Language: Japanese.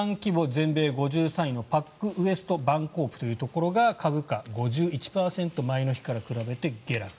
全米５３位のパックウェスト・バンコープというところが株価、５１％前の日から比べて下落。